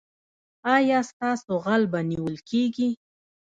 ایا ستاسو غل به نیول کیږي؟